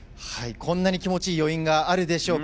こんなに気持ちいい余韻があるんでしょうか。